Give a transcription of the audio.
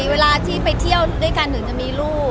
เวลาที่ไปเที่ยวด้วยกันถึงจะมีลูก